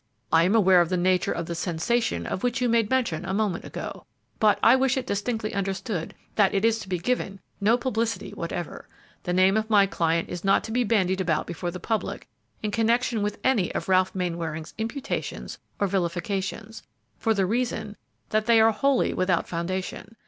I am aware of the nature of the 'sensation' of which you made mention a moment ago, but I wish it distinctly understood that it is to be given no publicity whatever. The name of my client is not to be bandied about before the public in connection with any of Ralph Mainwaring's imputations or vilifications, for the reason that they are wholly without foundation.